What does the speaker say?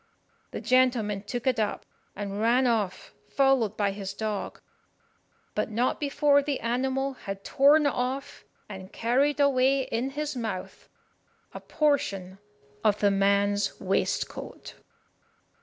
The gentleman took it up, and ran off, followed by his dog, but not before the animal had torn off and carried away in his mouth a portion of the man's waistcoat.